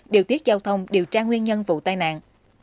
điều tiết giao thông điều tra nguyên nhân vụ tai nạn